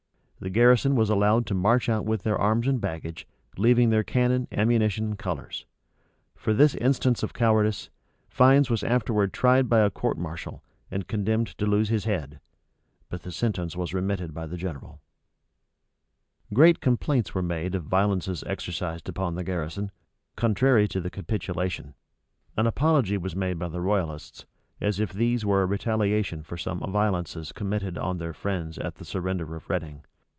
The garrison was allowed to march out with their arms and baggage, leaving their cannon, ammunition, and colors. For this instance of cowardice, Fiennes was afterwards tried by a court martial, and condemned to lose his head; but the sentence was remitted by the general.[*] * Rush. vol. vi p. 284. Clarendon, vol. iii. p 293, 294, etc. Great complaints were made of violences exercised on the garrison, contrary to the capitulation. An apology was made by the royalists, as if these were a retaliation for some violences committed on their friends at the surrender of Reading.